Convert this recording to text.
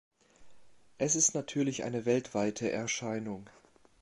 Es ist natürlich eine weltweite Erscheinung.